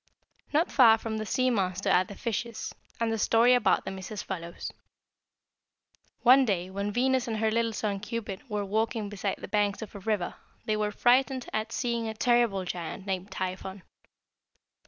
"Not far from the sea monster are the Fishes, and the story about them is as follows: "One day when Venus and her little son Cupid were walking beside the banks of a river they were frightened at seeing a terrible giant named Typhon.